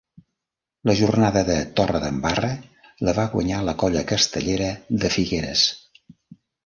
La jornada de Torredembarra la va guanyar la Colla Castellera de Figueres.